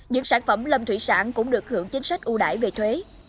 những sản phẩm lâm thủy sản cũng được hưởng chính sách ưu đại về thuế